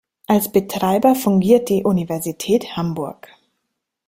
Als Betreiber fungiert die Universität Hamburg.